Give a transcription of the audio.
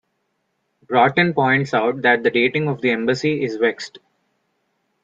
Broughton points out that the dating of the embassy is vexed.